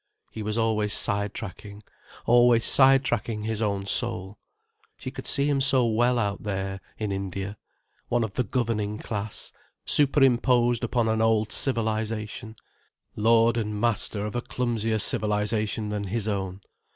He was always side tracking, always side tracking his own soul. She could see him so well out there, in India—one of the governing class, superimposed upon an old civilization, lord and master of a clumsier civilization than his own.